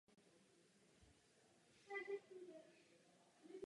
Některými z těchto aspektů se zpravodajka zabývá.